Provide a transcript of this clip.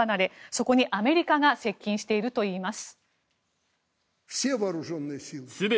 そこにアメリカが接近しているといいます。